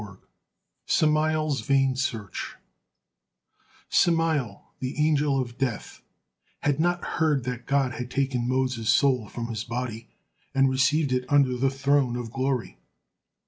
SAMAEL'S VAIN SEARCH Samael, the Angel of Death, had not heard that God had taken Moses' soul from his body and received it under the Throne of Glory.